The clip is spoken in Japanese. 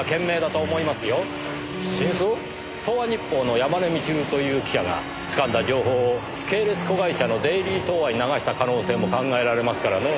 東和日報の山根みちるという記者がつかんだ情報を系列子会社のデイリー東和に流した可能性も考えられますからねぇ。